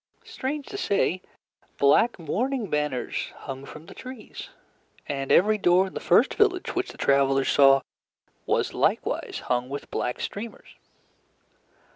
Strange to say, black mourning banners hung from the trees, and every door in the first village which the travelers saw was likewise hung with black streamers.